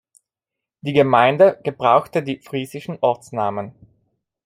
Die Gemeinde gebrauchte die friesischen Ortsnamen.